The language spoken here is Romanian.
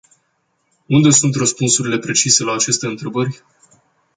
Unde sunt răspunsurile precise la aceste întrebări?